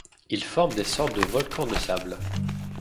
Ils forment des sortes de volcan de sable.